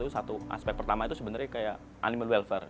satu aspek pertama itu sebenarnya kayak animal welfare